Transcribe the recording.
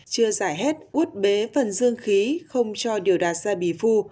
chưa giải hết út bế phần dương khí không cho điều đạt xe bì phu